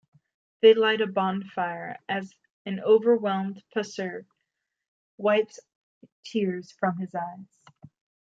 They light a bonfire as an overwhelmed Pusser wipes tears from his eyes.